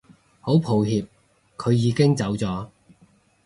好抱歉佢已經走咗